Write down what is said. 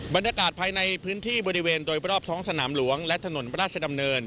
บรรยากาศภายในพื้นที่บริเวณโดยรอบท้องสนามหลวงและถนนราชดำเนิน